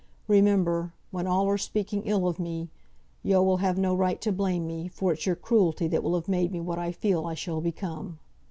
Remember! when all are speaking ill of me, yo will have no right to blame me, for it's your cruelty that will have made me what I feel I shall become."